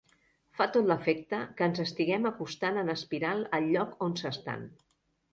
Fa tot l'efecte que ens estiguem acostant en espiral al lloc on s'estan.